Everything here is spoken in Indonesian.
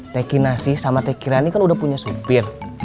teh kinasi sama teh kirani kan udah punya supir